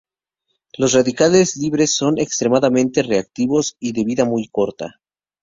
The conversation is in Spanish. Los radicales libres son extremadamente reactivos y de vida muy corta.